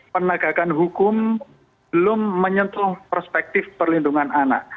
penegakan hukum belum menyentuh perspektif perlindungan anak